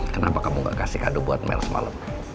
kenapa kamu gak kasih kado buat mel semalam